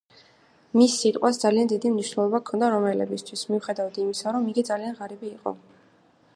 მის სიტყვას ძალიან დიდი მნიშვნელობა ჰქონდა რომაელებისთვის, მიუხედავად ამისა იგი ძალიან ღარიბი იყო.